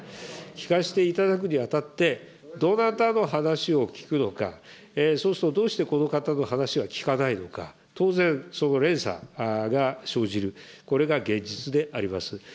聞かせていただくにあたって、どなたの話を聞くのか、そうするとどうしてこの方の話は聞かないのか、当然、その連鎖が生じる、これが現実であります。